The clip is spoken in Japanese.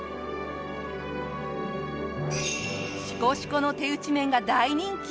シコシコの手打ち麺が大人気。